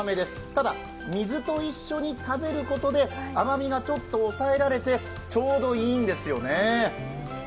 ただ、水と一緒に食べることで甘みがちょっと抑えられてちょうどいいんですよね。